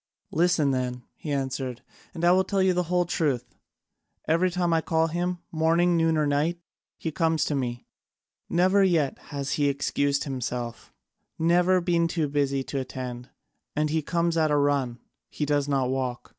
"Listen then," he answered, "and I will tell you the whole truth. Every time I call him, morning, noon, or night, he comes to me; never yet has he excused himself, never been too busy to attend; and he comes at a run, he does not walk.